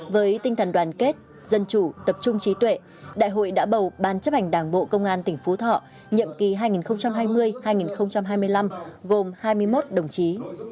với tinh thần đoàn kết dân chủ tập trung trí tuệ đại hội đã bầu ban chấp hành đảng bộ công an tỉnh phú thọ nhiệm kỳ hai nghìn hai mươi hai nghìn hai mươi năm gồm hai mươi một đồng chí